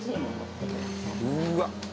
うわっ！